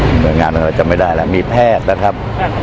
หน่วยงานถกมาจำไม่ได้มีแพทย์นะครับ